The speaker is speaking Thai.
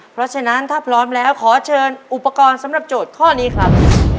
เพราะฉะนั้นถ้าพร้อมแล้วขอเชิญอุปกรณ์สำหรับโจทย์ข้อนี้ครับ